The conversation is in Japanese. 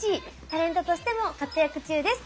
タレントとしても活躍中です。